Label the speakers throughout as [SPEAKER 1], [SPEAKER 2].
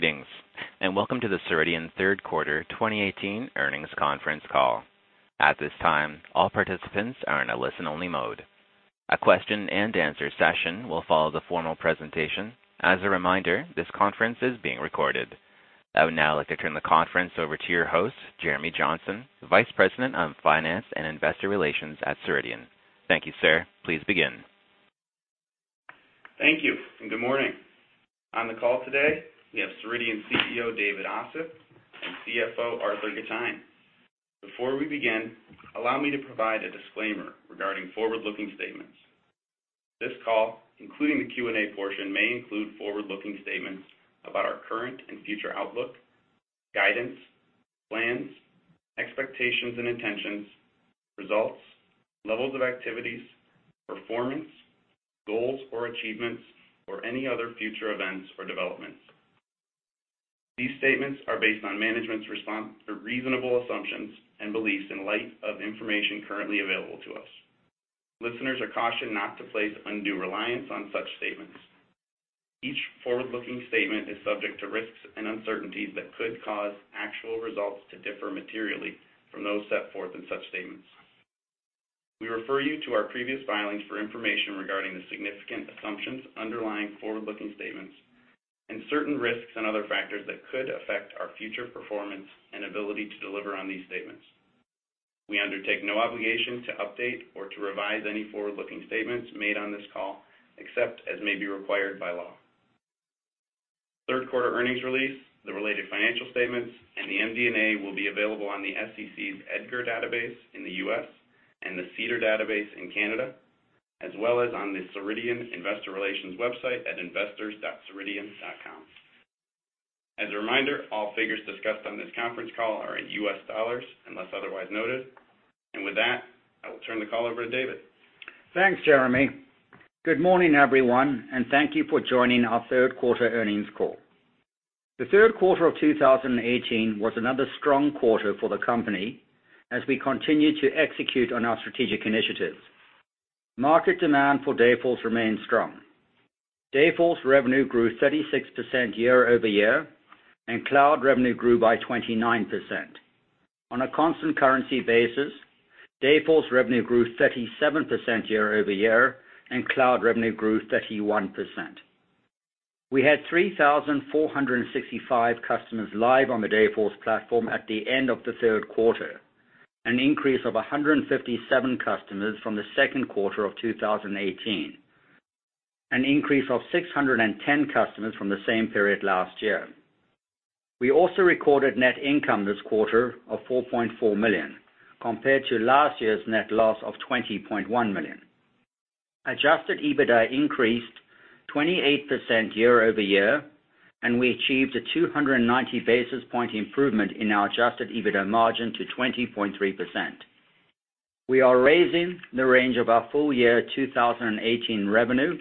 [SPEAKER 1] Greetings. Welcome to the Ceridian third quarter 2018 earnings conference call. At this time, all participants are in a listen-only mode. A question and answer session will follow the formal presentation. As a reminder, this conference is being recorded. I would now like to turn the conference over to your host, Jeremy Johnson, Vice President of Finance and Investor Relations at Ceridian. Thank you, sir. Please begin.
[SPEAKER 2] Thank you. Good morning. On the call today, we have Ceridian CEO, David Ossip, and CFO, Arthur Gitajn. Before we begin, allow me to provide a disclaimer regarding forward-looking statements. This call, including the Q&A portion, may include forward-looking statements about our current and future outlook, guidance, plans, expectations and intentions, results, levels of activities, performance, goals or achievements, or any other future events or developments. These statements are based on management's reasonable assumptions and beliefs in light of information currently available to us. Listeners are cautioned not to place undue reliance on such statements. We refer you to our previous filings for information regarding the significant assumptions underlying forward-looking statements and certain risks and other factors that could affect our future performance and ability to deliver on these statements. We undertake no obligation to update or to revise any forward-looking statements made on this call, except as may be required by law. Third quarter earnings release, the related financial statements, and the MD&A will be available on the SEC's EDGAR database in the U.S., and the SEDAR database in Canada, as well as on the Ceridian Investor Relations website at investors.ceridian.com. As a reminder, all figures discussed on this conference call are in US dollars unless otherwise noted. With that, I will turn the call over to David.
[SPEAKER 3] Thanks, Jeremy. Good morning, everyone. Thank you for joining our third quarter earnings call. The third quarter of 2018 was another strong quarter for the company as we continue to execute on our strategic initiatives. Market demand for Dayforce remains strong. Dayforce revenue grew 36% year-over-year, and Cloud revenue grew by 29%. On a constant currency basis, Dayforce revenue grew 37% year-over-year, and Cloud revenue grew 31%. We had 3,465 customers live on the Dayforce platform at the end of the third quarter, an increase of 157 customers from the second quarter of 2018, an increase of 610 customers from the same period last year. We also recorded net income this quarter of $4.4 million, compared to last year's net loss of $20.1 million. Adjusted EBITDA increased 28% year-over-year, and we achieved a 290 basis point improvement in our adjusted EBITDA margin to 20.3%. We are raising the range of our full year 2018 revenue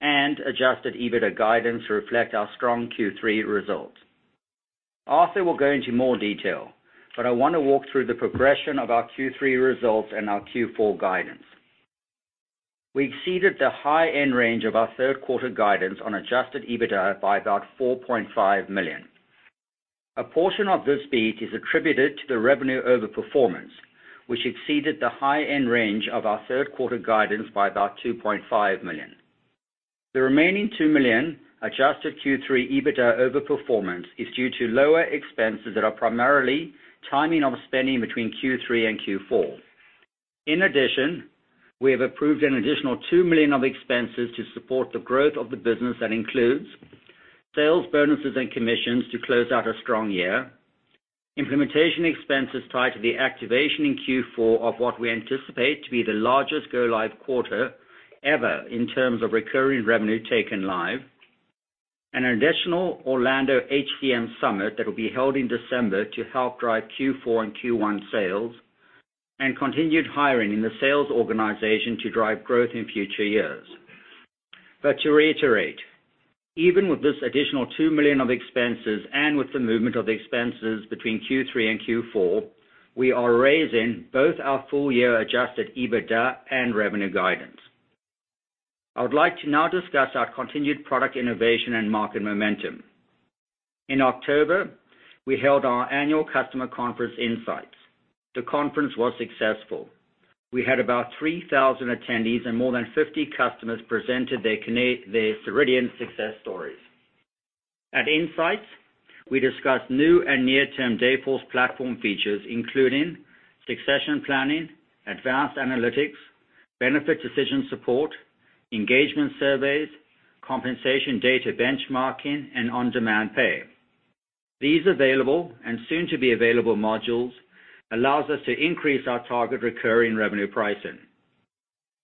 [SPEAKER 3] and adjusted EBITDA guidance to reflect our strong Q3 results. Arthur will go into more detail, I want to walk through the progression of our Q3 results and our Q4 guidance. We exceeded the high-end range of our third quarter guidance on adjusted EBITDA by about $4.5 million. A portion of this beat is attributed to the revenue overperformance, which exceeded the high-end range of our third quarter guidance by about $2.5 million. The remaining $2 million adjusted Q3 EBITDA overperformance is due to lower expenses that are primarily timing of spending between Q3 and Q4. In addition, we have approved an additional $2 million of expenses to support the growth of the business. That includes sales bonuses and commissions to close out a strong year, implementation expenses tied to the activation in Q4 of what we anticipate to be the largest go-live quarter ever in terms of recurring revenue taken live, an additional Orlando HCM Summit that will be held in December to help drive Q4 and Q1 sales, and continued hiring in the sales organization to drive growth in future years. To reiterate, even with this additional $2 million of expenses and with the movement of expenses between Q3 and Q4, we are raising both our full year adjusted EBITDA and revenue guidance. I would like to now discuss our continued product innovation and market momentum. In October, we held our annual customer conference, INSIGHTS. The conference was successful. We had about 3,000 attendees, and more than 50 customers presented their Ceridian success stories. At INSIGHTS, we discussed new and near-term Dayforce platform features, including succession planning, advanced analytics, benefit decision support, engagement surveys, compensation data benchmarking, and On-Demand Pay. These available and soon-to-be-available modules allows us to increase our target recurring revenue pricing.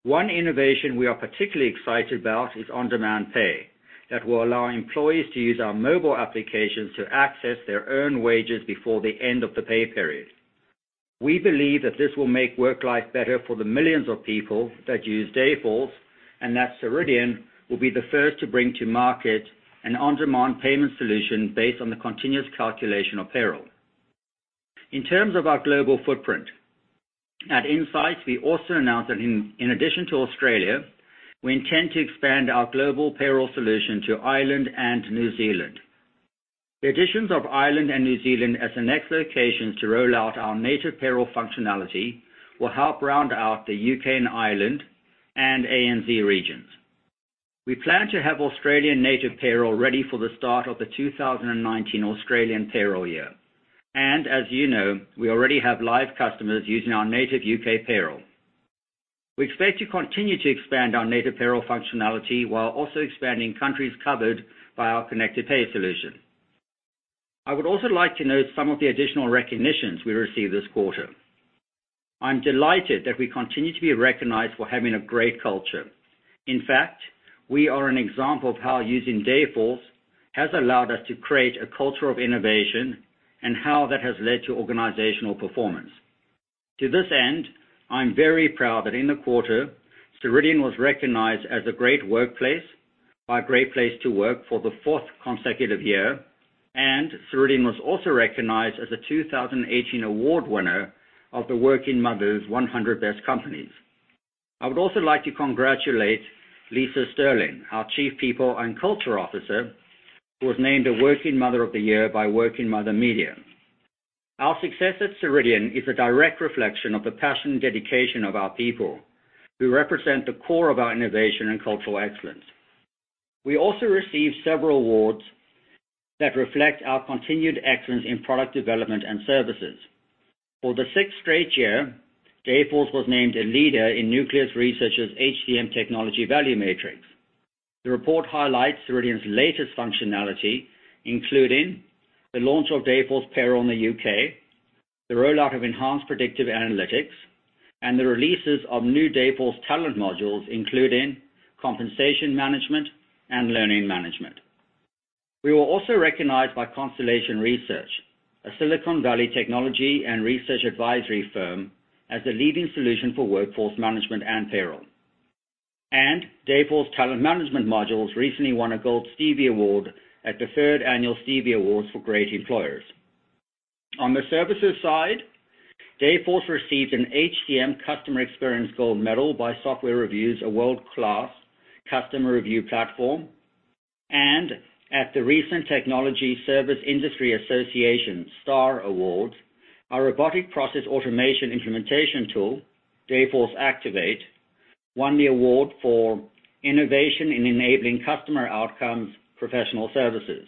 [SPEAKER 3] One innovation we are particularly excited about is On-Demand Pay that will allow employees to use our mobile applications to access their earned wages before the end of the pay period. We believe that this will make work life better for the millions of people that use Dayforce, and that Ceridian will be the first to bring to market an On-Demand Pay solution based on the continuous calculation of payroll. In terms of our global footprint. At INSIGHTS, we also announced that in addition to Australia, we intend to expand our global payroll solution to Ireland and New Zealand. The additions of Ireland and New Zealand as the next locations to roll out our native payroll functionality will help round out the U.K. and Ireland and ANZ regions. We plan to have Australian native payroll ready for the start of the 2019 Australian payroll year. As you know, we already have live customers using our native U.K. payroll. We expect to continue to expand our native payroll functionality while also expanding countries covered by our Connected Pay solution. I would also like to note some of the additional recognitions we received this quarter. I'm delighted that we continue to be recognized for having a great culture. In fact, we are an example of how using Dayforce has allowed us to create a culture of innovation and how that has led to organizational performance. To this end, I am very proud that in the quarter, Ceridian was recognized as a great workplace by Great Place to Work for the fourth consecutive year, Ceridian was also recognized as a 2018 award winner of the Working Mother 100 Best Companies. I would also like to congratulate Lisa Sterling, our Chief People and Culture Officer, who was named a Working Mother of the Year by Working Mother Media. Our success at Ceridian is a direct reflection of the passion and dedication of our people, who represent the core of our innovation and cultural excellence. We also received several awards that reflect our continued excellence in product development and services. For the sixth straight year, Dayforce was named a leader in Nucleus Research's HCM Technology Value Matrix. The report highlights Ceridian's latest functionality, including the launch of Dayforce Payroll in the U.K., the rollout of enhanced predictive analytics, and the releases of new Dayforce Talent modules, including compensation management and learning management. We were also recognized by Constellation Research, a Silicon Valley technology and research advisory firm, as the leading solution for workforce management and payroll. Dayforce Talent Management modules recently won a Gold Stevie Award at the third annual Stevie Awards for Great Employers. On the services side, Dayforce received an HCM Customer Experience Gold Medal by SoftwareReviews, a world-class customer review platform. At the recent Technology & Services Industry Association STAR Awards, our robotic process automation implementation tool, Dayforce Activate, won the award for Innovation in Enabling Customer Outcomes Professional Services.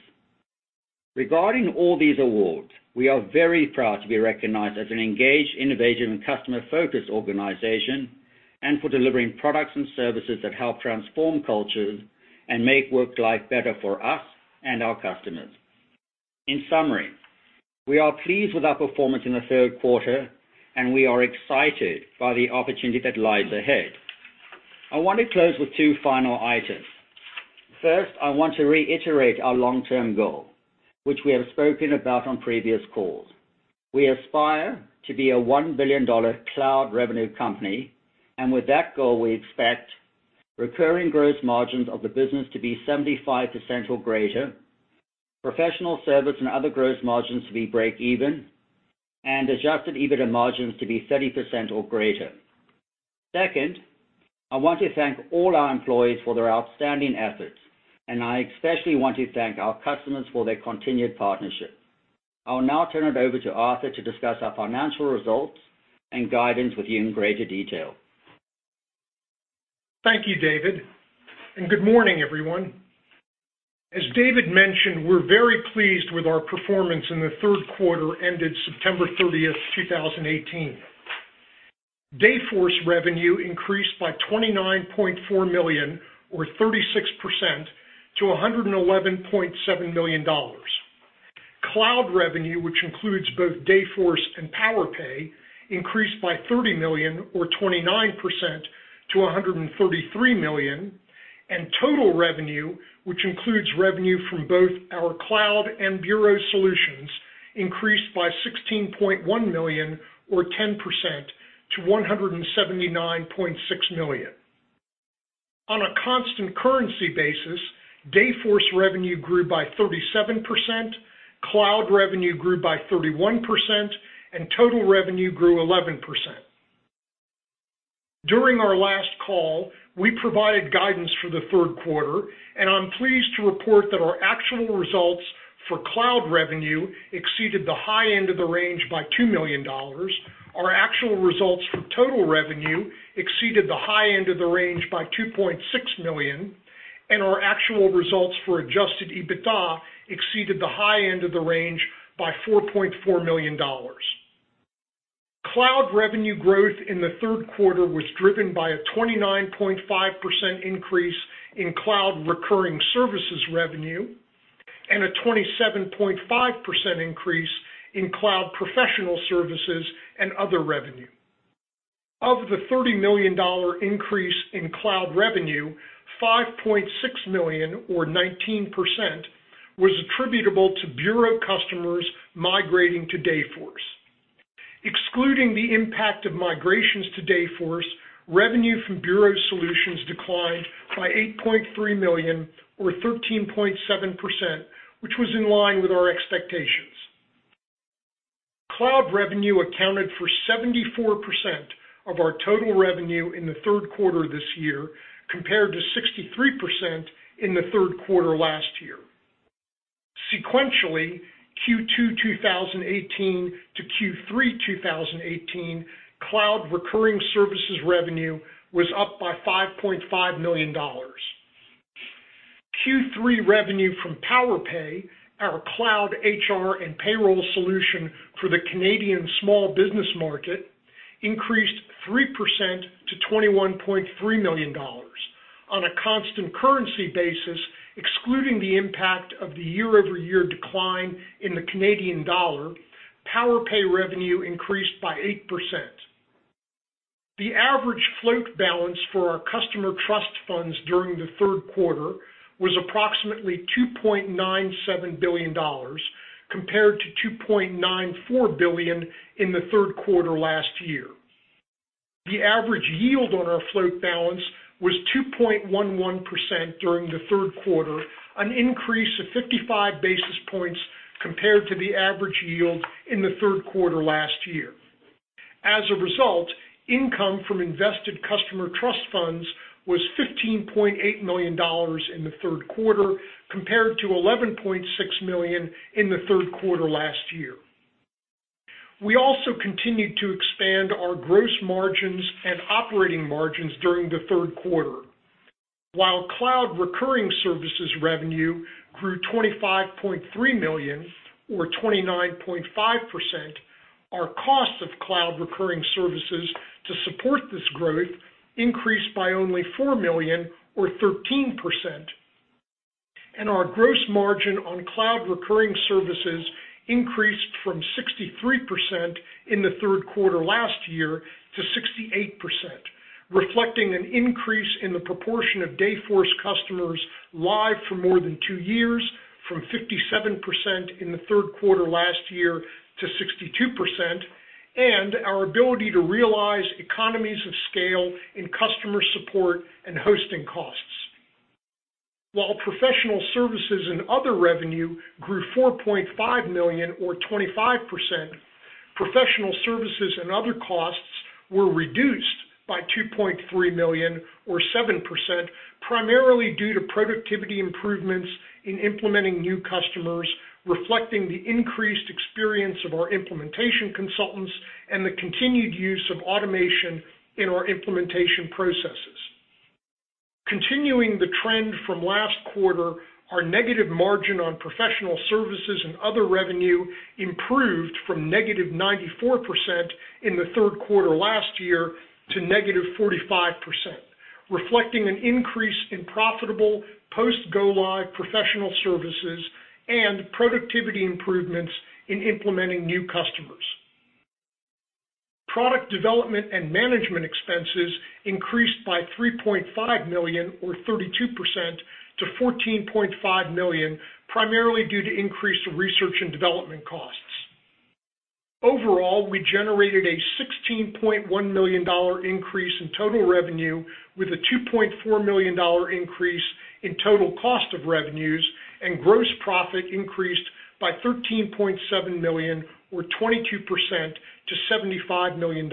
[SPEAKER 3] Regarding all these awards, we are very proud to be recognized as an engaged, innovative, and customer-focused organization, and for delivering products and services that help transform cultures and make work life better for us and our customers. In summary, we are pleased with our performance in the third quarter, and we are excited by the opportunity that lies ahead. I want to close with two final items. First, I want to reiterate our long-term goal, which we have spoken about on previous calls. We aspire to be a $1 billion cloud revenue company, and with that goal, we expect recurring gross margins of the business to be 75% or greater, professional service and other gross margins to be break even, and adjusted EBITDA margins to be 30% or greater. Second, I want to thank all our employees for their outstanding efforts, and I especially want to thank our customers for their continued partnership. I will now turn it over to Arthur to discuss our financial results and guidance with you in greater detail.
[SPEAKER 4] Thank you, David, and good morning, everyone. As David mentioned, we are very pleased with our performance in the third quarter ended September 30th, 2018. Dayforce revenue increased by $29.4 million or 36% to $111.7 million. Cloud revenue, which includes both Dayforce and Powerpay, increased by $30 million or 29% to $133 million, and total revenue, which includes revenue from both our cloud and bureau solutions, increased by $16.1 million or 10% to $179.6 million. On a constant currency basis, Dayforce revenue grew by 37%, cloud revenue grew by 31%, and total revenue grew 11%. During our last call, we provided guidance for the third quarter, and I am pleased to report that our actual results for cloud revenue exceeded the high end of the range by two million dollars. Our actual results for total revenue exceeded the high end of the range by $2.6 million, and our actual results for adjusted EBITDA exceeded the high end of the range by $4.4 million. Cloud revenue growth in the third quarter was driven by a 29.5% increase in cloud recurring services revenue and a 27.5% increase in cloud professional services and other revenue. Of the $30 million increase in cloud revenue, $5.6 million or 19% was attributable to bureau customers migrating to Dayforce. Excluding the impact of migrations to Dayforce, revenue from bureau solutions declined by $8.3 million or 13.7%, which was in line with our expectations. Cloud revenue accounted for 74% of our total revenue in the third quarter of this year, compared to 63% in the third quarter last year. Sequentially, Q2 2018 to Q3 2018, cloud recurring services revenue was up by $5.5 million. Q3 revenue from Powerpay, our cloud HR and payroll solution for the Canadian small business market, increased 3% to $21.3 million. On a constant currency basis, excluding the impact of the year-over-year decline in the Canadian dollar, Powerpay revenue increased by 8%. The average float balance for our customer trust funds during the third quarter was approximately $2.97 billion, compared to $2.94 billion in the third quarter last year. The average yield on our float balance was 2.11% during the third quarter, an increase of 55 basis points compared to the average yield in the third quarter last year. As a result, income from invested customer trust funds was $15.8 million in the third quarter, compared to $11.6 million in the third quarter last year. We also continued to expand our gross margins and operating margins during the third quarter. While cloud recurring services revenue grew $25.3 million or 29.5%, our cost of cloud recurring services to support this growth increased by only $4 million or 13%. Our gross margin on cloud recurring services increased from 63% in the third quarter last year to 68%, reflecting an increase in the proportion of Dayforce customers live for more than two years, from 57% in the third quarter last year to 62%, and our ability to realize economies of scale in customer support and hosting costs. While professional services and other revenue grew $4.5 million or 25%, professional services and other costs were reduced by $2.3 million or 7%, primarily due to productivity improvements in implementing new customers, reflecting the increased experience of our implementation consultants and the continued use of automation in our implementation processes. Continuing the trend from last quarter, our negative margin on professional services and other revenue improved from -94% in the third quarter last year to -45%, reflecting an increase in profitable post go-live professional services and productivity improvements in implementing new customers. Product development and management expenses increased by $3.5 million or 32% to $14.5 million, primarily due to increased research and development costs. Overall, we generated a $16.1 million increase in total revenue with a $2.4 million increase in total cost of revenues, and gross profit increased by $13.7 million or 22% to $75 million.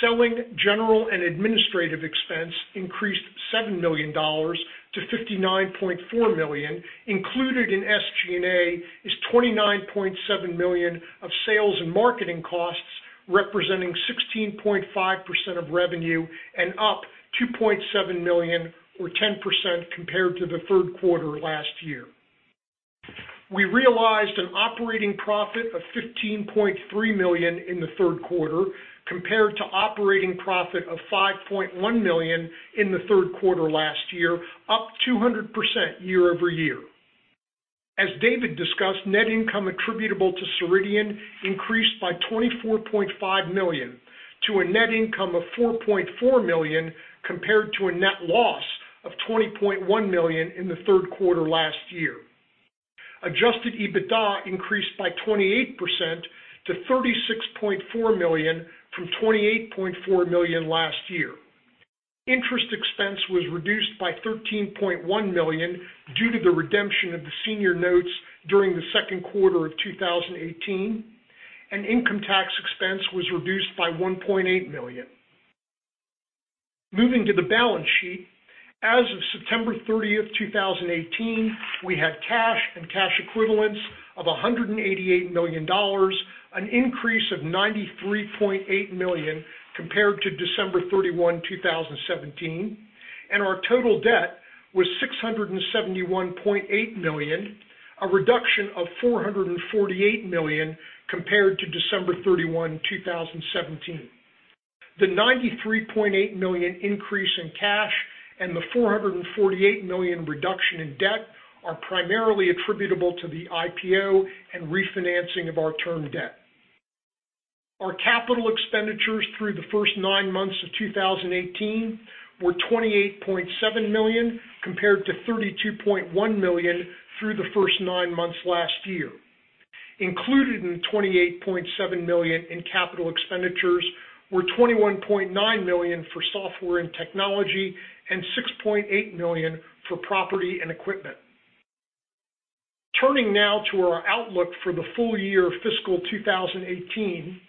[SPEAKER 4] Selling, general and administrative expense increased $7 million to $59.4 million. Included in SG&A is $29.7 million of sales and marketing costs, representing 16.5% of revenue and up $2.7 million or 10% compared to the third quarter last year. We realized an operating profit of $15.3 million in the third quarter compared to operating profit of $5.1 million in the third quarter last year, up 200% year-over-year. As David discussed, net income attributable to Ceridian increased by $24.5 million to a net income of $4.4 million, compared to a net loss of $20.1 million in the third quarter last year. Adjusted EBITDA increased by 28% to $36.4 million from $28.4 million last year. Interest expense was reduced by $13.1 million due to the redemption of the senior notes during the second quarter of 2018, and income tax expense was reduced by $1.8 million. Moving to the balance sheet, as of September 30, 2018, we had cash and cash equivalents of $188 million, an increase of $93.8 million compared to December 31, 2017, and our total debt was $671.8 million, a reduction of $448 million compared to December 31, 2017. The $93.8 million increase in cash and the $448 million reduction in debt are primarily attributable to the IPO and refinancing of our term debt. Our capital expenditures through the first nine months of 2018 were $28.7 million compared to $32.1 million through the first nine months last year. Included in $28.7 million in capital expenditures were $21.9 million for software and technology and $6.8 million for property and equipment. Turning now to our outlook for the full year fiscal 2018,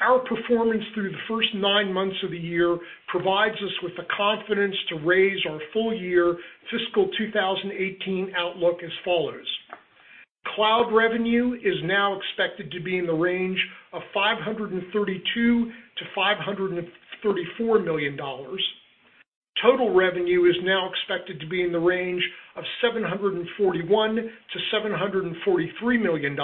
[SPEAKER 4] our performance through the first nine months of the year provides us with the confidence to raise our full year fiscal 2018 outlook as follows. Cloud revenue is now expected to be in the range of $532 million-$534 million. Total revenue is now expected to be in the range of $741 million-$743 million.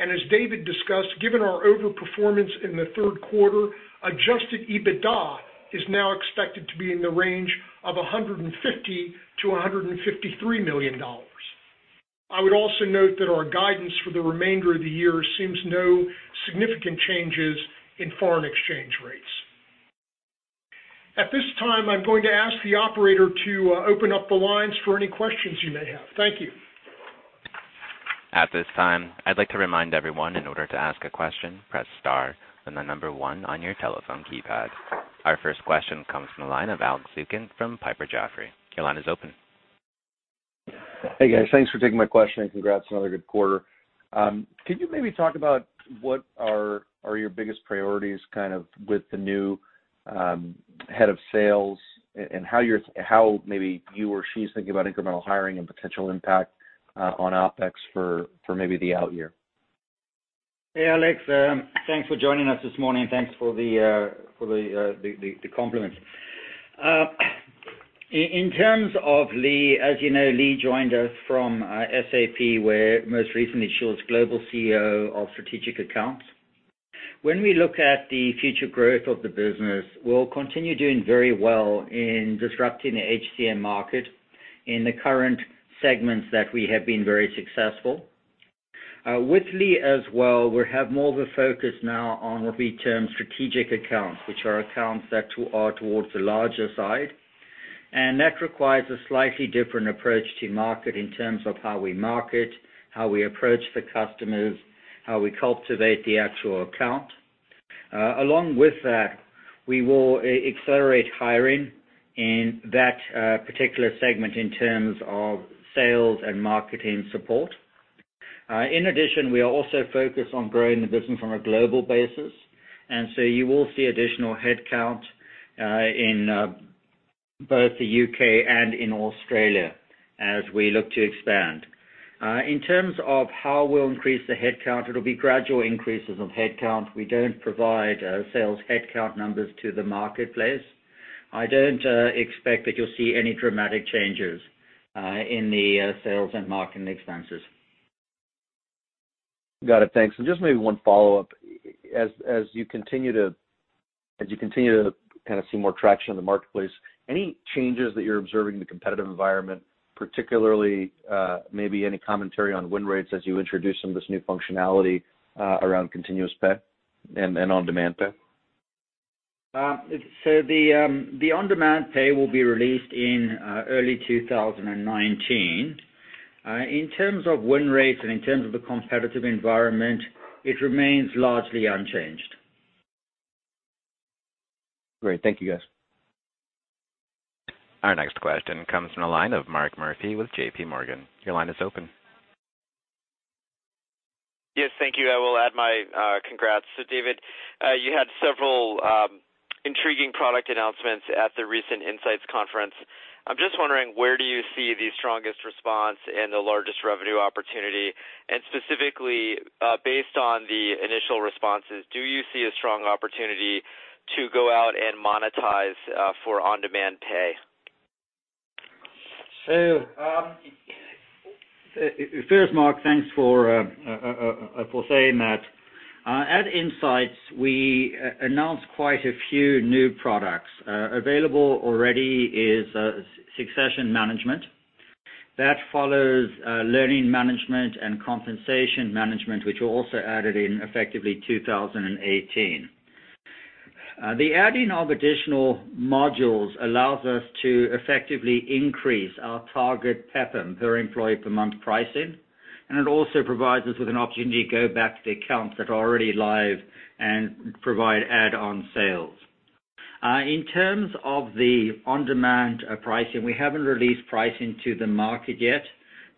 [SPEAKER 4] As David discussed, given our over-performance in the third quarter, Adjusted EBITDA is now expected to be in the range of $150 million-$153 million. I would also note that our guidance for the remainder of the year assumes no significant changes in foreign exchange rates. At this time, I'm going to ask the operator to open up the lines for any questions you may have. Thank you.
[SPEAKER 1] At this time, I'd like to remind everyone, in order to ask a question, press star, then the number 1 on your telephone keypad. Our first question comes from the line of Alex Zukin from Piper Jaffray. Your line is open.
[SPEAKER 5] Hey, guys. Thanks for taking my question, and congrats on another good quarter. Can you maybe talk about what are your biggest priorities with the new head of sales and how maybe you or she is thinking about incremental hiring and potential impact on OpEx for maybe the out year?
[SPEAKER 3] Hey, Alex. Thanks for joining us this morning. Thanks for the compliment. In terms of Leagh, as you know, Leagh joined us from SAP, where most recently she was Global CEO of Strategic Accounts. When we look at the future growth of the business, we'll continue doing very well in disrupting the HCM market in the current segments that we have been very successful. With Leagh as well, we have more of a focus now on what we term strategic accounts, which are accounts that are towards the larger side. That requires a slightly different approach to market in terms of how we market, how we approach the customers, how we cultivate the actual account. Along with that, we will accelerate hiring in that particular segment in terms of sales and marketing support. In addition, we are also focused on growing the business from a global basis, and so you will see additional headcount in both the U.K. and in Australia as we look to expand. In terms of how we'll increase the headcount, it'll be gradual increases of headcount. We don't provide sales headcount numbers to the marketplace. I don't expect that you'll see any dramatic changes in the sales and marketing expenses.
[SPEAKER 5] Got it. Thanks. Just maybe one follow-up. As you continue to see more traction in the marketplace, any changes that you are observing in the competitive environment, particularly maybe any commentary on win rates as you introduce some of this new functionality around continuous pay and On-Demand Pay?
[SPEAKER 3] The On-Demand Pay will be released in early 2019. In terms of win rates and in terms of the competitive environment, it remains largely unchanged.
[SPEAKER 5] Great. Thank you, guys.
[SPEAKER 1] Our next question comes from the line of Mark Murphy with J.P. Morgan. Your line is open.
[SPEAKER 6] Yes, thank you. I will add my congrats to David. You had several intriguing product announcements at the recent INSIGHTS conference. I'm just wondering, where do you see the strongest response and the largest revenue opportunity? Specifically, based on the initial responses, do you see a strong opportunity to go out and monetize for On-Demand Pay?
[SPEAKER 3] First, Mark, thanks for saying that. At INSIGHTS, we announced quite a few new products. Available already is Succession Management. That follows Learning Management and Compensation Management, which we also added in effectively 2018. The adding of additional modules allows us to effectively increase our target PEPM, Per Employee Per Month pricing, and it also provides us with an opportunity to go back to the accounts that are already live and provide add-on sales. In terms of the On-Demand pricing, we haven't released pricing to the market yet.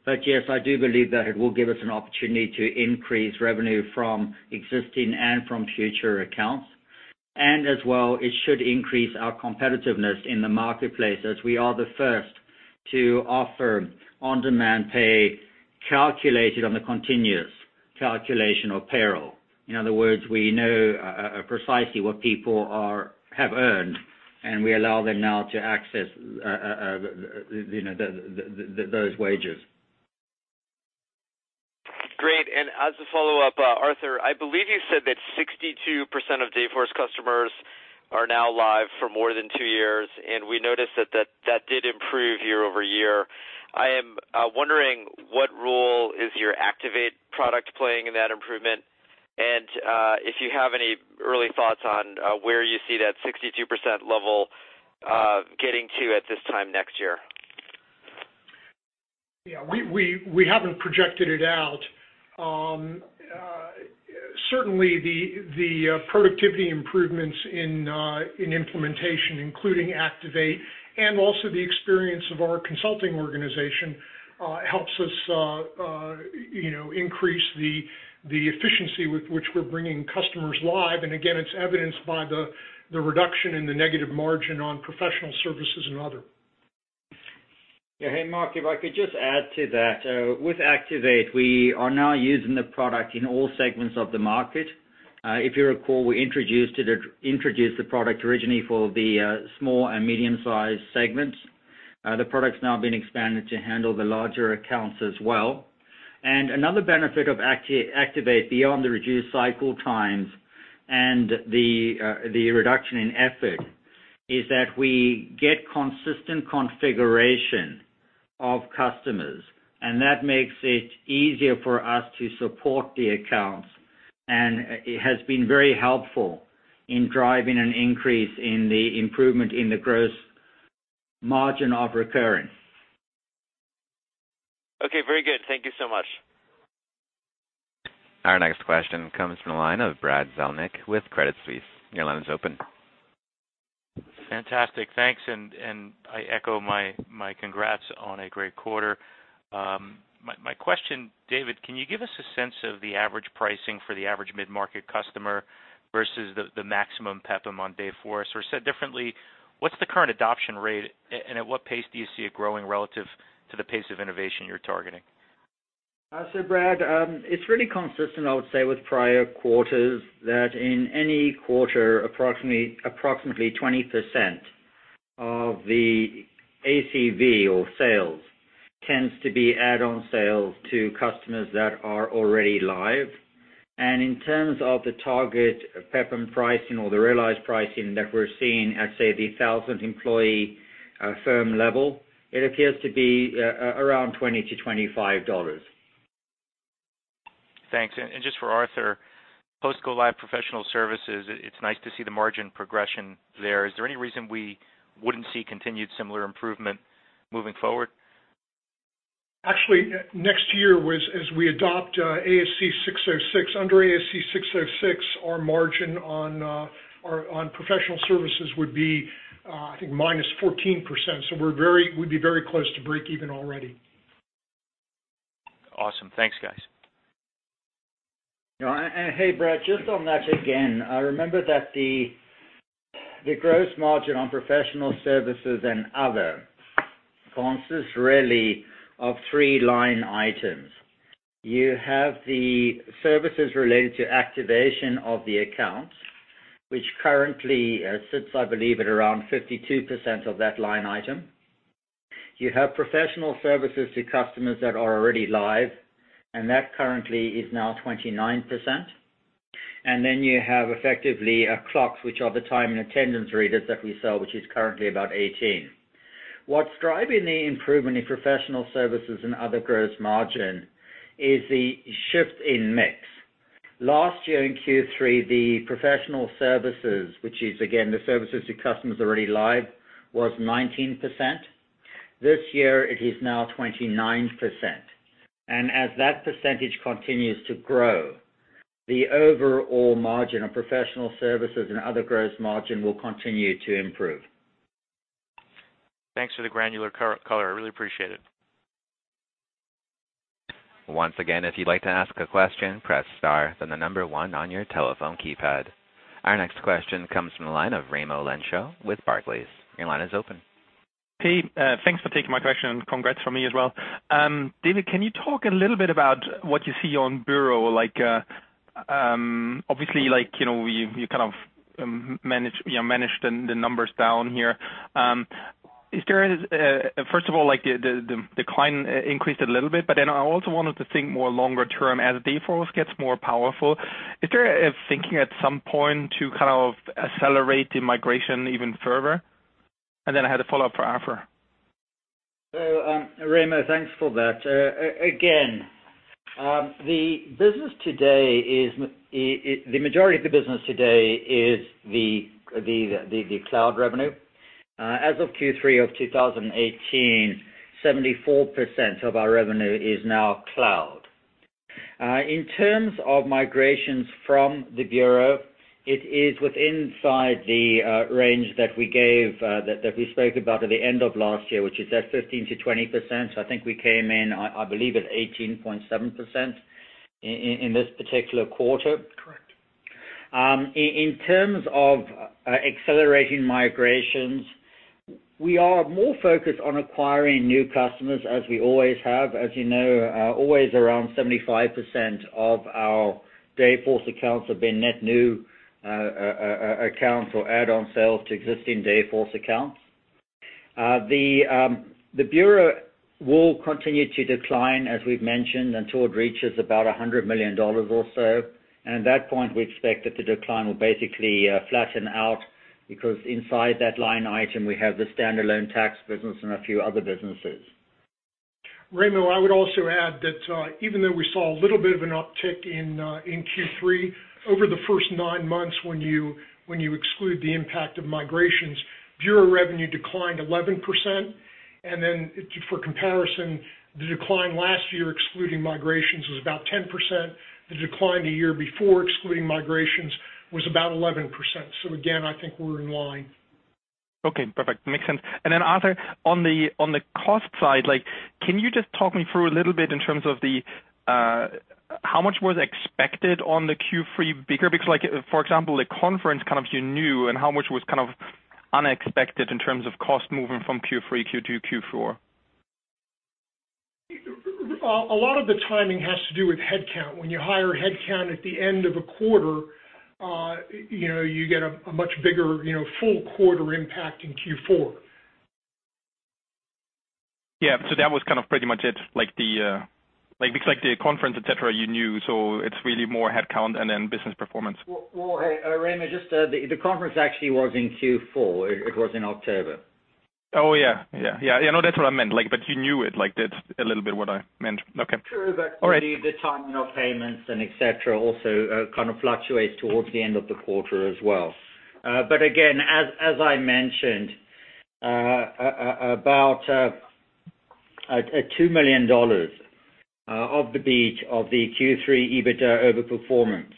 [SPEAKER 3] Yes, I do believe that it will give us an opportunity to increase revenue from existing and from future accounts. As well, it should increase our competitiveness in the marketplace as we are the first to offer On-Demand Pay calculated on the continuous calculation of payroll. In other words, we know precisely what people have earned, and we allow them now to access those wages.
[SPEAKER 6] Great. As a follow-up, Arthur, I believe you said that 62% of Dayforce customers are now live for more than two years, and we noticed that that did improve year-over-year. I am wondering what role is your Activate product playing in that improvement and if you have any early thoughts on where you see that 62% level getting to at this time next year.
[SPEAKER 4] Yeah. We haven't projected it out. Certainly, the productivity improvements in implementation, including Activate and also the experience of our consulting organization helps us increase the efficiency with which we're bringing customers live. Again, it's evidenced by the reduction in the negative margin on professional services and other.
[SPEAKER 3] Yeah. Hey, Mark, if I could just add to that. With Activate, we are now using the product in all segments of the market. If you recall, we introduced the product originally for the small and medium-sized segments. The product's now been expanded to handle the larger accounts as well. Another benefit of Activate, beyond the reduced cycle times and the reduction in effort, is that we get consistent configuration of customers, and that makes it easier for us to support the accounts, and it has been very helpful in driving an increase in the improvement in the gross margin of recurring.
[SPEAKER 6] Okay, very good. Thank you so much.
[SPEAKER 1] Our next question comes from the line of Brad Zelnick with Credit Suisse. Your line is open.
[SPEAKER 7] Fantastic. Thanks. I echo my congrats on a great quarter. My question, David, can you give us a sense of the average pricing for the average mid-market customer versus the maximum PEPPM on Dayforce? Said differently, what's the current adoption rate, and at what pace do you see it growing relative to the pace of innovation you're targeting?
[SPEAKER 3] Brad, it's really consistent, I would say, with prior quarters that in any quarter, approximately 20% of the ACV or sales tends to be add-on sales to customers that are already live. In terms of the target PEPPM pricing or the realized pricing that we're seeing at, say, the 1,000-employee firm level, it appears to be around $20-$25.
[SPEAKER 7] Thanks. Just for Arthur, post go-live professional services, it's nice to see the margin progression there. Is there any reason we wouldn't see continued similar improvement moving forward?
[SPEAKER 4] Actually, next year, as we adopt ASC 606, under ASC 606, our margin on professional services would be, I think, -14%. We'd be very close to breakeven already.
[SPEAKER 7] Awesome. Thanks, guys.
[SPEAKER 3] Hey, Brad, just on that again, remember that the gross margin on professional services and other consists really of three line items. You have the services related to activation of the account, which currently sits, I believe, at around 52% of that line item. You have professional services to customers that are already live, and that currently is now 29%. Then you have effectively clocks, which are the time and attendance readers that we sell, which is currently about 18%. What's driving the improvement in professional services and other gross margin is the shift in mix. Last year in Q3, the professional services, which is again, the services to customers already live, was 19%. This year, it is now 29%. As that percentage continues to grow, the overall margin of professional services and other gross margin will continue to improve.
[SPEAKER 7] Thanks for the granular color. I really appreciate it.
[SPEAKER 1] Once again, if you'd like to ask a question, press star, then the number one on your telephone keypad. Our next question comes from the line of Raimo Lenschow with Barclays. Your line is open.
[SPEAKER 8] Hey, thanks for taking my question and congrats from me as well. David, can you talk a little bit about what you see on bureau? Obviously, you managed the numbers down here. First of all, the decline increased a little bit. I also wanted to think more longer term, as Dayforce gets more powerful, is there a thinking at some point to accelerate the migration even further? I had a follow-up for Arthur.
[SPEAKER 3] Raimo, thanks for that. Again, the majority of the business today is the cloud revenue. As of Q3 of 2018, 74% of our revenue is now cloud. In terms of migrations from the bureau, it is within inside the range that we spoke about at the end of last year, which is that 15%-20%. I think we came in, I believe, at 18.7% in this particular quarter.
[SPEAKER 4] Correct.
[SPEAKER 3] In terms of accelerating migrations, we are more focused on acquiring new customers, as we always have. As you know, always around 75% of our Dayforce accounts have been net new accounts or add-on sales to existing Dayforce accounts. The bureau will continue to decline, as we've mentioned, until it reaches about $100 million or so. At that point, we expect that the decline will basically flatten out, because inside that line item, we have the standalone tax business and a few other businesses.
[SPEAKER 4] Raimo, I would also add that even though we saw a little bit of an uptick in Q3, over the first nine months when you exclude the impact of migrations, bureau revenue declined 11%. For comparison, the decline last year, excluding migrations, was about 10%. The decline the year before excluding migrations was about 11%. Again, I think we're in line.
[SPEAKER 8] Okay, perfect. Makes sense. Arthur, on the cost side, can you just talk me through a little bit in terms of how much was expected on the Q3 bigger? Because, for example, the conference you knew, how much was unexpected in terms of cost moving from Q3, Q2, Q4?
[SPEAKER 4] A lot of the timing has to do with headcount. When you hire headcount at the end of a quarter, you get a much bigger full quarter impact in Q4.
[SPEAKER 8] Yeah. That was pretty much it. The conference, et cetera, you knew, it's really more headcount business performance.
[SPEAKER 3] Hey, Raimo, the conference actually was in Q4. It was in October.
[SPEAKER 8] Oh, yeah. That's what I meant. You knew it. That's a little bit what I meant. Okay. All right.
[SPEAKER 3] True, the timing of payments and et cetera also kind of fluctuates towards the end of the quarter as well. Again, as I mentioned, about $2 million of the beat of the Q3 EBITDA overperformance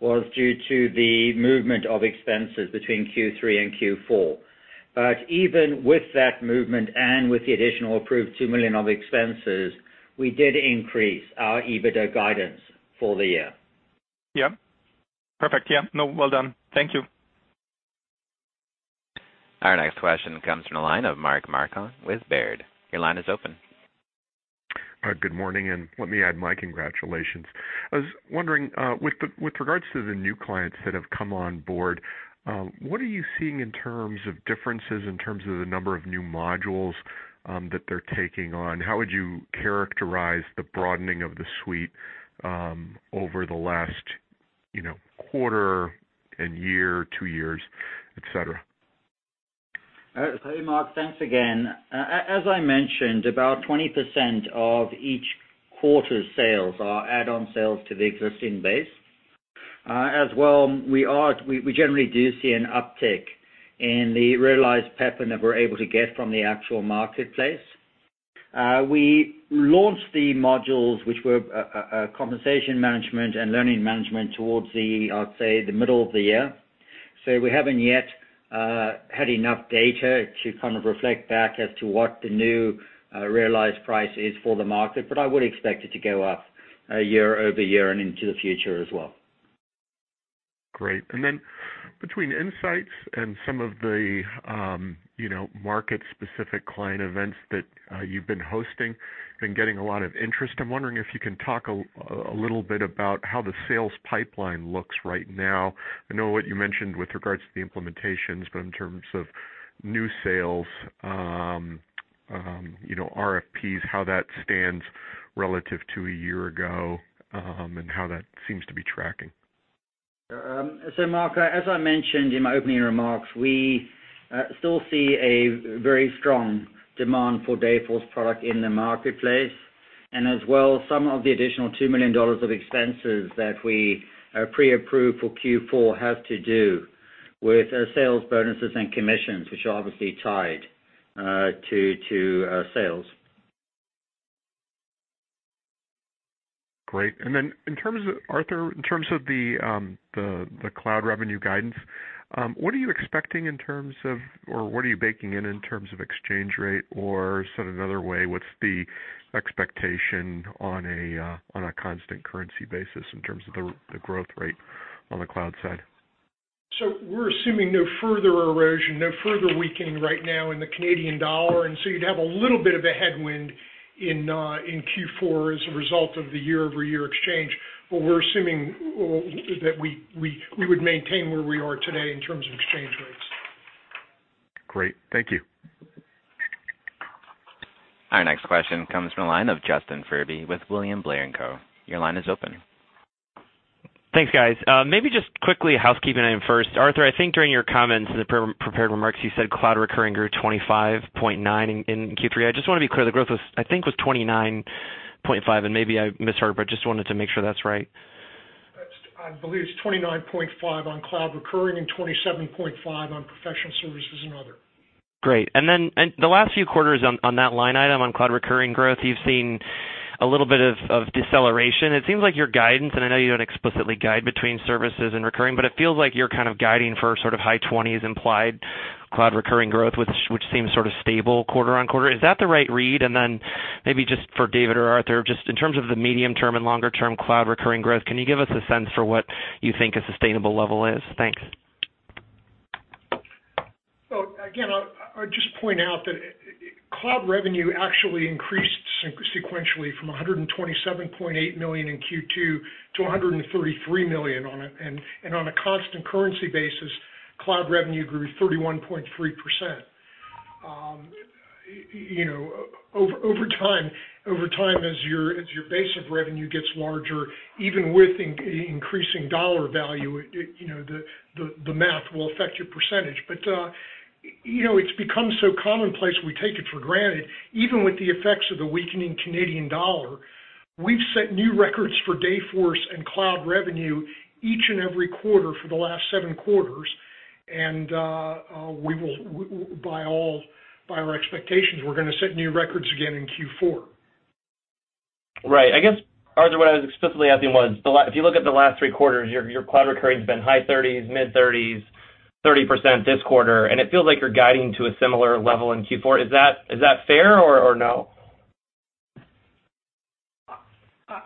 [SPEAKER 3] was due to the movement of expenses between Q3 and Q4. Even with that movement and with the additional approved $2 million of expenses, we did increase our EBITDA guidance for the year.
[SPEAKER 8] Yep. Perfect. Yeah. Well done. Thank you.
[SPEAKER 1] Our next question comes from the line of Mark Marcon with Baird. Your line is open.
[SPEAKER 9] Good morning, and let me add my congratulations. I was wondering, with regards to the new clients that have come on board, what are you seeing in terms of differences in terms of the number of new modules that they're taking on? How would you characterize the broadening of the suite over the last quarter and year, two years, et cetera?
[SPEAKER 3] Hey, Mark. Thanks again. As I mentioned, about 20% of each quarter's sales are add-on sales to the existing base. As well, we generally do see an uptick in the realized PEP that we're able to get from the actual marketplace. We launched the modules, which were compensation management and learning management, towards the, I would say, the middle of the year. We haven't yet had enough data to kind of reflect back as to what the new realized price is for the market. I would expect it to go up year-over-year and into the future as well.
[SPEAKER 9] Great. Between INSIGHTS and some of the market-specific client events that you've been hosting, been getting a lot of interest. I'm wondering if you can talk a little bit about how the sales pipeline looks right now. I know what you mentioned with regards to the implementations, in terms of new sales, RFPs, how that stands relative to a year ago, and how that seems to be tracking.
[SPEAKER 3] Mark, as I mentioned in my opening remarks, we still see a very strong demand for Dayforce product in the marketplace. As well, some of the additional $2 million of expenses that we pre-approved for Q4 have to do with sales bonuses and commissions, which are obviously tied to sales.
[SPEAKER 9] Great. Arthur, in terms of the cloud revenue guidance, what are you expecting in terms of, or what are you baking in in terms of exchange rate, or said another way, what's the expectation on a constant currency basis in terms of the growth rate on the cloud side?
[SPEAKER 4] We're assuming no further erosion, no further weakening right now in the Canadian dollar. You'd have a little bit of a headwind in Q4 as a result of the year-over-year exchange. We're assuming that we would maintain where we are today in terms of exchange rates.
[SPEAKER 9] Great. Thank you.
[SPEAKER 1] Our next question comes from the line of Justin Forsythe with William Blair & Company. Your line is open.
[SPEAKER 10] Thanks, guys. Maybe just quickly, housekeeping item first. Arthur, I think during your comments in the prepared remarks, you said cloud recurring grew 25.9 in Q3. I just want to be clear, the growth was, I think, was 29.5, maybe I misheard, but just wanted to make sure that's right.
[SPEAKER 4] I believe it's 29.5 on cloud recurring and 27.5 on professional services and other.
[SPEAKER 10] Great. Then in the last few quarters on that line item, on cloud recurring growth, you've seen a little bit of deceleration. It seems like your guidance, and I know you don't explicitly guide between services and recurring, but it feels like you're kind of guiding for sort of high 20s implied cloud recurring growth, which seems sort of stable quarter-on-quarter. Is that the right read? Then maybe just for David or Arthur, just in terms of the medium term and longer term cloud recurring growth, can you give us a sense for what you think a sustainable level is? Thanks.
[SPEAKER 4] Well, again, I'd just point out that Cloud revenue actually increased sequentially from $127.8 million in Q2 to $133 million. On a constant currency basis, cloud revenue grew 31.3%. Over time, as your base of revenue gets larger, even with increasing dollar value, the math will affect your percentage. It's become so commonplace, we take it for granted. Even with the effects of the weakening Canadian dollar, we've set new records for Dayforce and cloud revenue each and every quarter for the last seven quarters. By our expectations, we're going to set new records again in Q4.
[SPEAKER 10] Right. I guess, Arthur, what I was explicitly asking was, if you look at the last three quarters, your cloud recurring's been high 30s, mid 30s, 30% this quarter, and it feels like you're guiding to a similar level in Q4. Is that fair or no?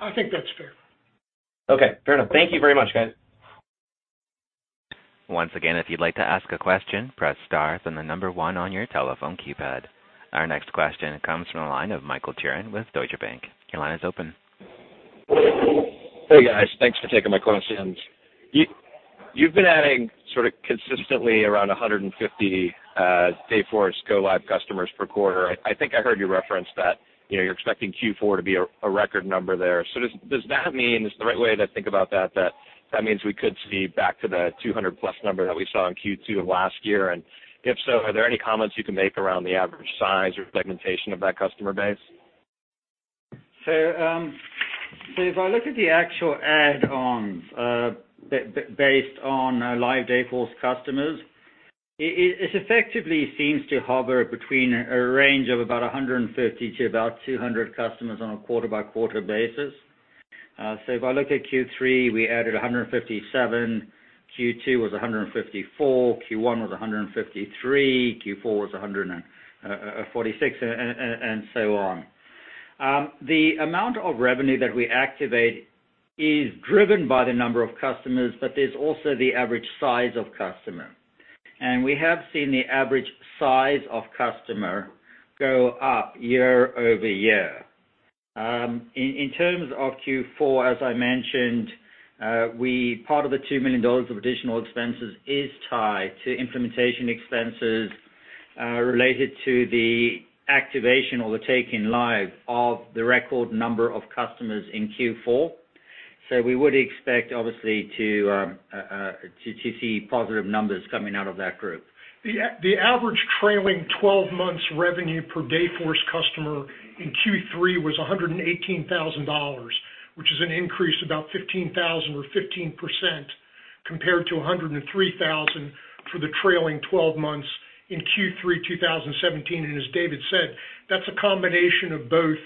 [SPEAKER 4] I think that's fair.
[SPEAKER 10] Okay. Fair enough. Thank you very much, guys.
[SPEAKER 1] Once again, if you'd like to ask a question, press star, then the number 1 on your telephone keypad. Our next question comes from the line of Michael Turrin with Deutsche Bank. Your line is open.
[SPEAKER 11] Hey, guys. Thanks for taking my questions. You've been adding consistently around 150 Dayforce go-live customers per quarter. I think I heard you reference that you're expecting Q4 to be a record number there. Does that mean, is the right way to think about that means we could see back to the 200+ number that we saw in Q2 of last year? If so, are there any comments you can make around the average size or segmentation of that customer base?
[SPEAKER 3] If I look at the actual add-ons based on live Dayforce customers, it effectively seems to hover between a range of about 150 to about 200 customers on a quarter-by-quarter basis. If I look at Q3, we added 157. Q2 was 154. Q1 was 153. Q4 was 146, and so on. The amount of revenue that we activate is driven by the number of customers, but there's also the average size of customer. We have seen the average size of customer go up year-over-year. In terms of Q4, as I mentioned, part of the $2 million of additional expenses is tied to implementation expenses related to the activation or the taking live of the record number of customers in Q4. We would expect, obviously, to see positive numbers coming out of that group.
[SPEAKER 4] The average trailing 12 months revenue per Dayforce customer in Q3 was $118,000, which is an increase of about $15,000 or 15%, compared to $103,000 for the trailing 12 months in Q3 2017. As David said, that's a combination of both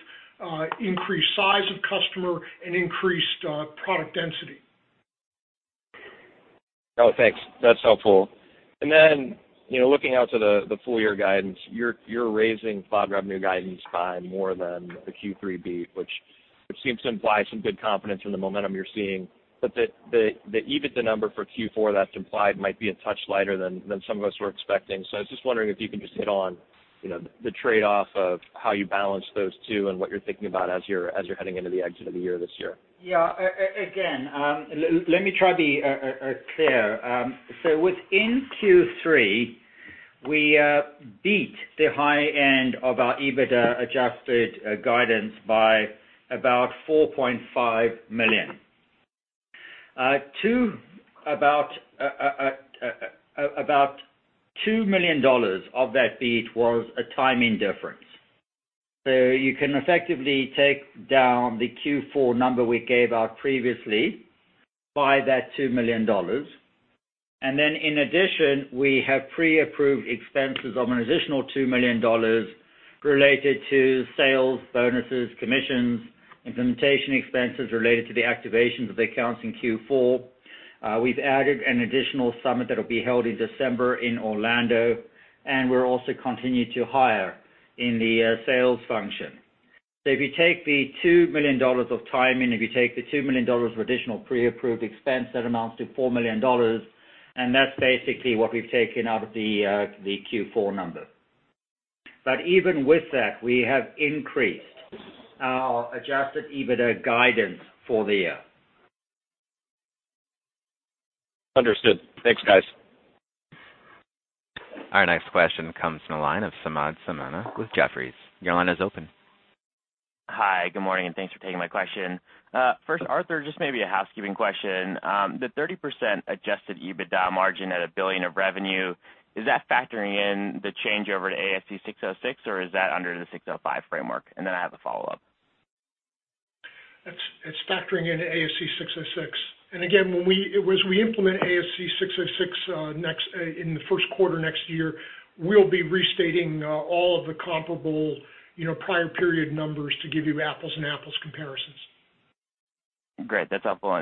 [SPEAKER 4] increased size of customer and increased product density.
[SPEAKER 11] Thanks. That's helpful. Looking out to the full year guidance, you're raising cloud revenue guidance by more than the Q3 beat, which seems to imply some good confidence in the momentum you're seeing. The EBITDA number for Q4 that's implied might be a touch lighter than some of us were expecting. I was just wondering if you can just hit on the trade-off of how you balance those two and what you're thinking about as you're heading into the exit of the year this year.
[SPEAKER 3] Yeah. Again, let me try to be clear. Within Q3, we beat the high end of our EBITDA adjusted guidance by about $4.5 million. About $2 million of that beat was a timing difference. You can effectively take down the Q4 number we gave out previously by that $2 million. In addition, we have pre-approved expenses of an additional $2 million related to sales bonuses, commissions, implementation expenses related to the activations of the accounts in Q4. We've added an additional summit that will be held in December in Orlando, and we're also continuing to hire in the sales function. If you take the $2 million of timing, if you take the $2 million of additional pre-approved expense, that amounts to $4 million, and that's basically what we've taken out of the Q4 number. Even with that, we have increased our adjusted EBITDA guidance for the year.
[SPEAKER 11] Understood. Thanks, guys.
[SPEAKER 1] Our next question comes from the line of Samad Samana with Jefferies. Your line is open.
[SPEAKER 12] Hi, good morning, and thanks for taking my question. First, Arthur, just maybe a housekeeping question. The 30% adjusted EBITDA margin at $1 billion of revenue, is that factoring in the change over to ASC 606, or is that under the ASC 605 framework? I have a follow-up.
[SPEAKER 4] It's factoring in ASC 606. Again, as we implement ASC 606 in the first quarter next year, we'll be restating all of the comparable prior period numbers to give you apples and apples comparisons.
[SPEAKER 12] Great. That's helpful.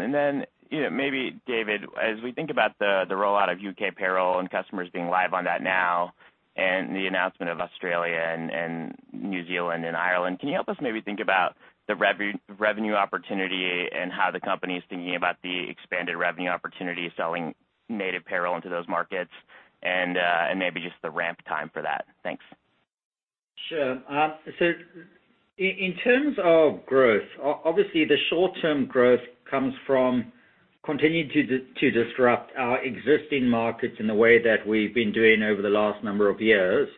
[SPEAKER 12] Maybe David, as we think about the rollout of U.K. payroll and customers being live on that now, and the announcement of Australia and New Zealand and Ireland, can you help us maybe think about the revenue opportunity and how the company's thinking about the expanded revenue opportunity selling native payroll into those markets, and maybe just the ramp time for that? Thanks.
[SPEAKER 3] Sure. In terms of growth, obviously the short-term growth comes from continuing to disrupt our existing markets in the way that we've been doing over the last number of years.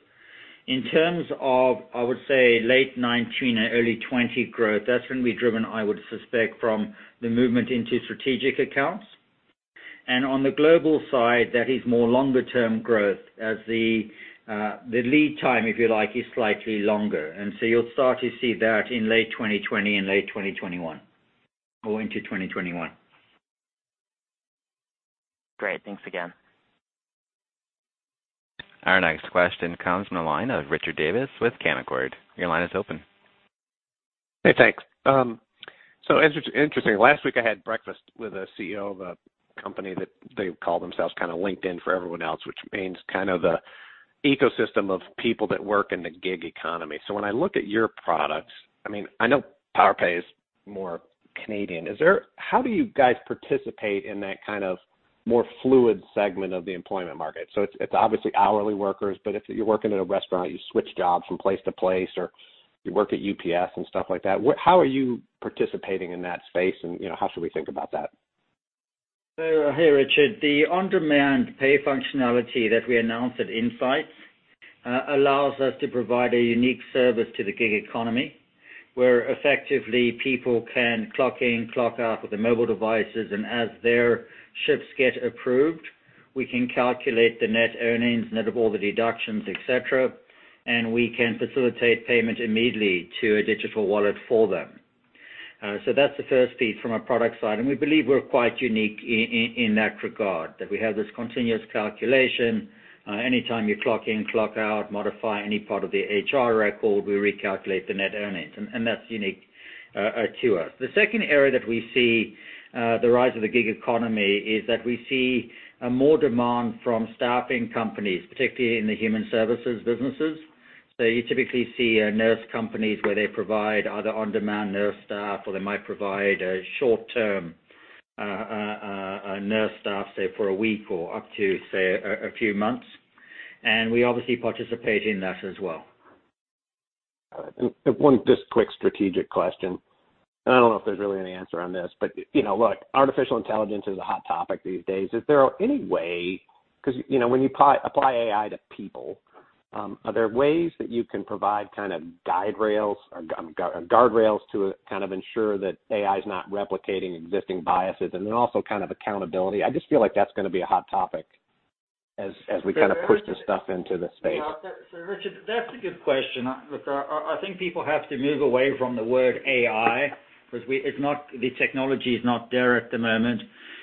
[SPEAKER 3] In terms of, I would say, late 2019 and early 2020 growth, that's going to be driven, I would suspect, from the movement into strategic accounts. On the global side, that is more longer-term growth as the lead time, if you like, is slightly longer. You'll start to see that in late 2020 and late 2021 or into 2021.
[SPEAKER 12] Great. Thanks again.
[SPEAKER 1] Our next question comes from the line of Richard Davis with Canaccord. Your line is open.
[SPEAKER 13] Hey, thanks. Interesting, last week I had breakfast with a CEO of a company that they call themselves kind of LinkedIn for everyone else, which means kind of the ecosystem of people that work in the gig economy. When I look at your products, I know Powerpay is more Canadian. How do you guys participate in that kind of more fluid segment of the employment market? It's obviously hourly workers, but if you're working in a restaurant, you switch jobs from place to place, or you work at UPS and stuff like that, how are you participating in that space and how should we think about that?
[SPEAKER 3] Hey, Richard. The On-Demand Pay functionality that we announced at INSIGHTS allows us to provide a unique service to the gig economy, where effectively people can clock in, clock out with their mobile devices, and as their shifts get approved, we can calculate the net earnings, net of all the deductions, et cetera, and we can facilitate payment immediately to a digital wallet for them. That's the first piece from a product side, and we believe we're quite unique in that regard, that we have this continuous calculation. Anytime you clock in, clock out, modify any part of the HR record, we recalculate the net earnings, and that's unique to us. The second area that we see the rise of the gig economy is that we see more demand from staffing companies, particularly in the human services businesses. You typically see nurse companies where they provide either on-demand nurse staff, or they might provide a short-term nurse staff, say, for a week or up to, say, a few months. We obviously participate in that as well.
[SPEAKER 13] Got it. One just quick strategic question, and I don't know if there's really any answer on this, but look, artificial intelligence is a hot topic these days. Is there any way, because when you apply AI to people, are there ways that you can provide kind of guide rails or guard rails to kind of ensure that AI's not replicating existing biases and then also kind of accountability? I just feel like that's going to be a hot topic as we kind of push this stuff into the space.
[SPEAKER 3] Richard, that's a good question. Look, I think people have to move away from the word AI because the technology's not there at the moment.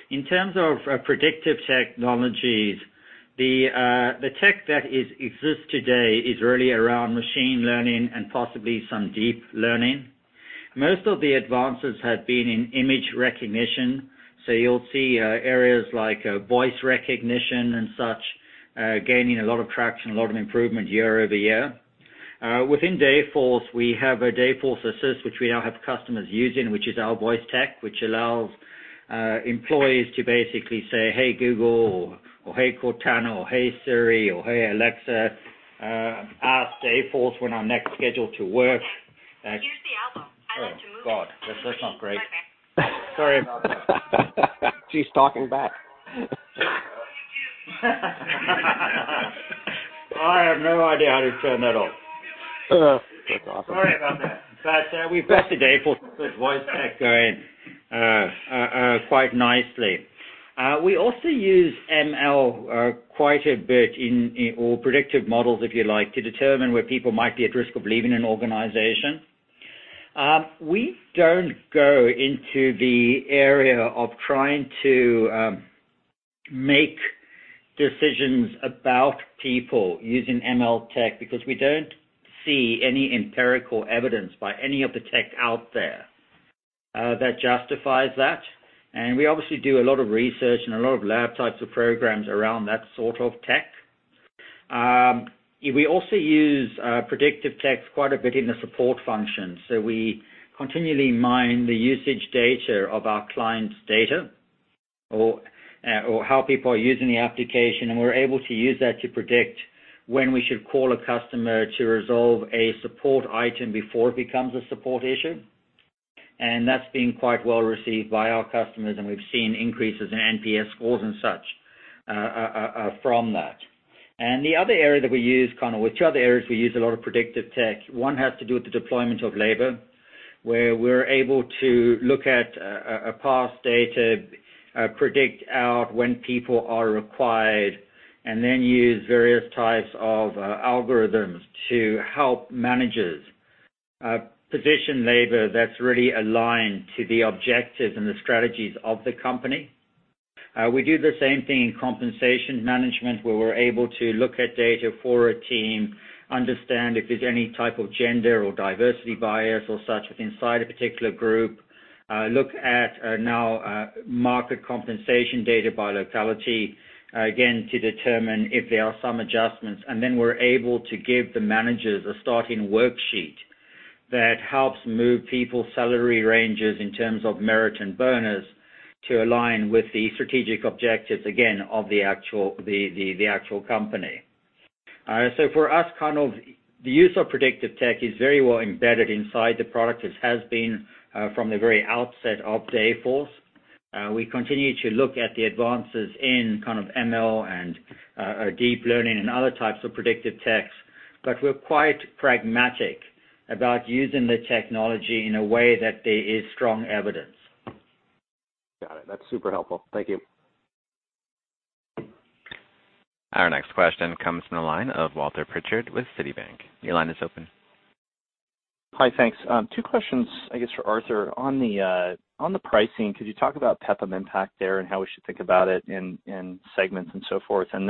[SPEAKER 3] In terms of predictive technologies, the tech that exists today is really around machine learning and possibly some deep learning. Most of the advances have been in image recognition, so you'll see areas like voice recognition and such gaining a lot of traction, a lot of improvement year-over-year. Within Dayforce, we have Dayforce Assist, which we now have customers using, which is our voice tech, which allows employees to basically say, "Hey, Google," or "Hey, Cortana," or "Hey, Siri," or "Hey, Alexa," ask Dayforce when I'm next scheduled to work.
[SPEAKER 14] Here's the album
[SPEAKER 3] Oh, God. That's not great. Sorry about that.
[SPEAKER 13] She's talking back.
[SPEAKER 3] I have no idea how to turn that off.
[SPEAKER 13] Ugh. That's awesome.
[SPEAKER 3] Sorry about that. We've got the Dayforce voice tech going quite nicely. We also use ML quite a bit in all predictive models, if you like, to determine where people might be at risk of leaving an organization. We don't go into the area of trying to make decisions about people using ML tech because we don't see any empirical evidence by any of the tech out there that justifies that. We obviously do a lot of research and a lot of lab types of programs around that sort of tech. We also use predictive tech quite a bit in the support function. We continually mine the usage data of our client's data or how people are using the application, and we're able to use that to predict when we should call a customer to resolve a support item before it becomes a support issue. That's been quite well received by our customers, and we've seen increases in NPS scores and such from that. The other area that we use, kind of, which are the areas we use a lot of predictive tech, one has to do with the deployment of labor, where we're able to look at past data, predict out when people are required, and then use various types of algorithms to help managers position labor that's really aligned to the objectives and the strategies of the company. We do the same thing in compensation management, where we're able to look at data for a team, understand if there's any type of gender or diversity bias or such inside a particular group, look at now market compensation data by locality, again, to determine if there are some adjustments. We're able to give the managers a starting worksheet that helps move people's salary ranges in terms of merit and bonus to align with the strategic objectives, again, of the actual company. For us, the use of predictive tech is very well embedded inside the product, as has been from the very outset of Dayforce. We continue to look at the advances in kind of ML and deep learning and other types of predictive techs, we're quite pragmatic about using the technology in a way that there is strong evidence.
[SPEAKER 13] Got it. That's super helpful. Thank you.
[SPEAKER 1] Our next question comes from the line of Walter Pritchard with Citigroup. Your line is open.
[SPEAKER 15] Hi. Thanks. Two questions, I guess, for Arthur. On the pricing, could you talk about PEPM impact there and how we should think about it in segments and so forth? On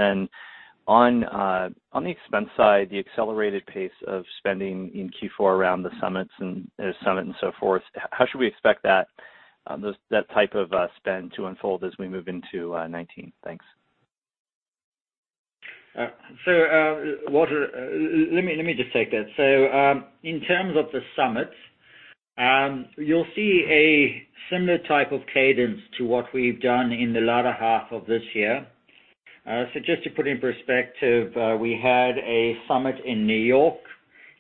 [SPEAKER 15] the expense side, the accelerated pace of spending in Q4 around the summits and so forth, how should we expect that type of spend to unfold as we move into 2019? Thanks.
[SPEAKER 3] Walter, let me just take that. In terms of the summits, you'll see a similar type of cadence to what we've done in the latter half of this year. Just to put in perspective, we had a summit in New York,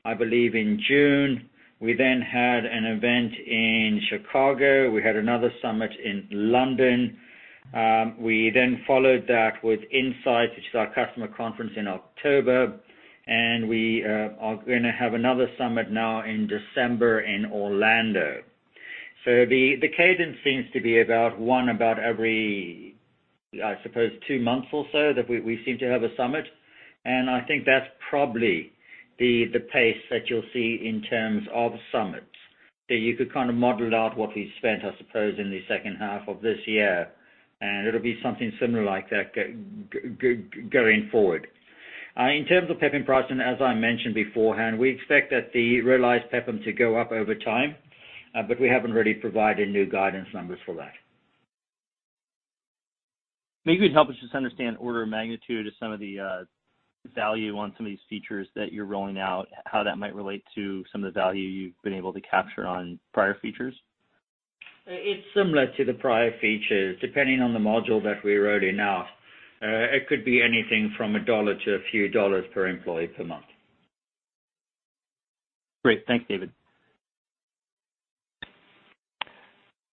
[SPEAKER 3] I believe, in June. We then had an event in Chicago. We had another summit in London. We then followed that with INSIGHTS, which is our customer conference in October, and we are going to have another summit now in December in Orlando. The cadence seems to be about one about every, I suppose, two months or so that we seem to have a summit. I think that's probably the pace that you'll see in terms of summits, that you could kind of model out what we spent, I suppose, in the second half of this year, and it'll be something similar like that going forward. In terms of PEPM pricing, as I mentioned beforehand, we expect that the realized PEPM to go up over time, we haven't really provided new guidance numbers for that.
[SPEAKER 15] Maybe you could help us just understand order of magnitude of some of the value on some of these features that you're rolling out, how that might relate to some of the value you've been able to capture on prior features.
[SPEAKER 3] It's similar to the prior features, depending on the module that we're rolling out. It could be anything from $1 to a few dollars per employee per month.
[SPEAKER 15] Great. Thanks, David.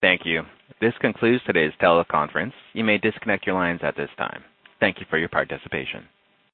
[SPEAKER 1] Thank you. This concludes today's teleconference. You may disconnect your lines at this time. Thank you for your participation.